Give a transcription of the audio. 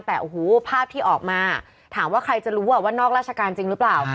แต่โอ้โหภาพที่ออกมาถามว่าใครจะรู้ว่านอกราชการจริงหรือเปล่า